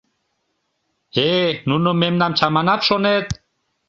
Э-э, нуно мемнам чаманат, шонет?